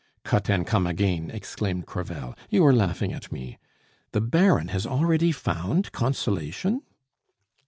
"Cut and come again!" exclaimed Crevel. "You are laughing at me. The Baron has already found consolation?"